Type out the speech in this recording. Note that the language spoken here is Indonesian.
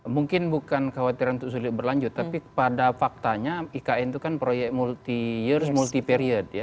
mungkin bukan khawatiran untuk sulit berlanjut tapi pada faktanya ikn itu kan proyek multi years multi period ya